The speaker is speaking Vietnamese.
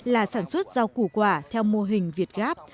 là sản xuất rau củ quả theo mô hình việt gáp